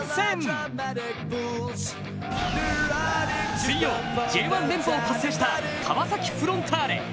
水曜、Ｊ１連覇を達成した川崎フロンターレ。